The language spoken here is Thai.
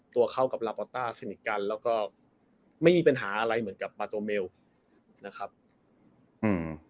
ตัวเขากับลาปอต้าสนิทกันแล้วก็ไม่มีปัญหาอะไรเหมือนกับมาโตเมลนะครับอืม